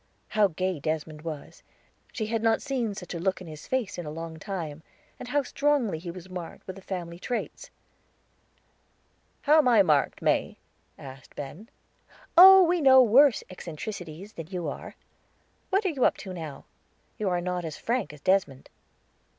How gay Desmond was! she had not seen such a look in his face in a long time. And how strongly he was marked with the family traits. "How am I marked, May?" asked Ben. "Oh, we know worse eccentrics than you are. What are you up to now? You are not as frank as Desmond."